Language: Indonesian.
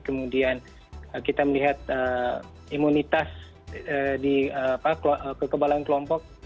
kemudian kita melihat imunitas di kekebalan kelompok